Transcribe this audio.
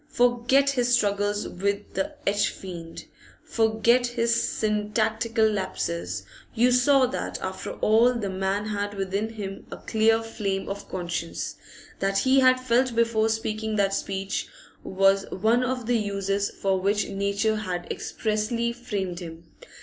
Forget his struggles with the h fiend; forget his syntactical lapses; you saw that after all the man had within him a clear flame of conscience; that he had felt before speaking that speech was one of the uses for which Nature had expressly framed him.